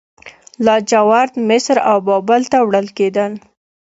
لاجورد مصر او بابل ته وړل کیدل